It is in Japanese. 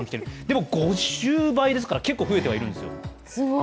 でも５０倍ですから、結構増えてはいるんですよ。